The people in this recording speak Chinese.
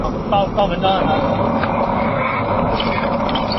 本列表列出了英国作家托尔金笔下奇幻世界中土大陆里的半兽人角色。